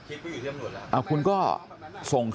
ลูกสาวหลายครั้งแล้วว่าไม่ได้คุยกับแจ๊บเลยลองฟังนะคะ